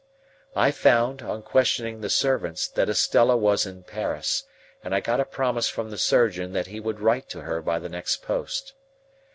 I found, on questioning the servants, that Estella was in Paris, and I got a promise from the surgeon that he would write to her by the next post.